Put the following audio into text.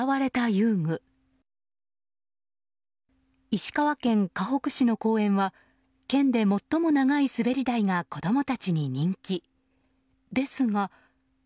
石川県かほく市の公園は県で最も長い滑り台が子供たちに人気ですが。